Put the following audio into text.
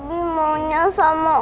tapi maunya sama om wading